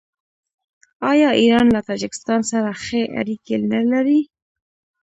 آیا ایران له تاجکستان سره ښې اړیکې نلري؟